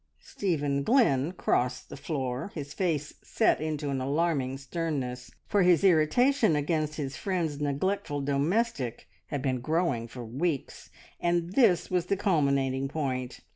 Stephen Glynn crossed the floor, his face set into an alarming sternness, for his irritation against his friend's neglectful domestic had been growing for weeks, and this was the culminating point.